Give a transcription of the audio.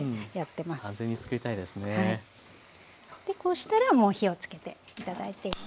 でこうしたらもう火をつけて頂いて。